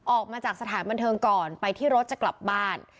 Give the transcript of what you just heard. ออกมาจากสถานบันเทิงก่อนไปที่รถจะกลับบ้าน